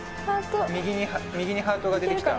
右にハートが出てきた